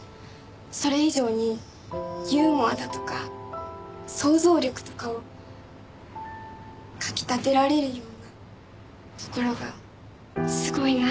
それ以上にユーモアだとか想像力とかをかき立てられるようなところがすごいなって思うんですけど。